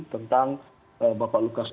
tentang bapak lukas nmb